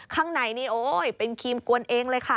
ข้างในนี่โอ๊ยเป็นครีมกวนเองเลยค่ะ